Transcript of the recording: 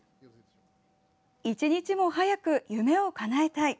１日も早く夢をかなえたい。